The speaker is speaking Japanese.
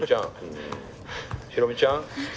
ヒロミちゃん？